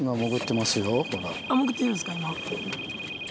潜ってるんですか今。